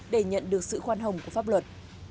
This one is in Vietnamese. để nhận được sự khoan hồng của pháp luật